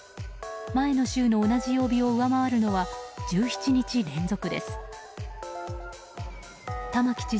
前の週の同じ曜日を上回るのは１７日連続です。